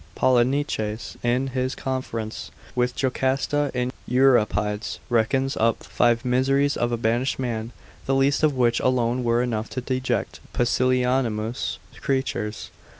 Polynices in his conference with Jocasta in Euripides, reckons up five miseries of a banished man, the least of which alone were enough to deject some pusillanimous creatures.